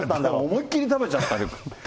思いっきり食べちゃった。